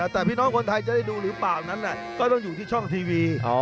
แต่พี่น้องคนไทยจะได้ดูหรือเปล่านั้นก็ต้องอยู่ที่ช่องทีวี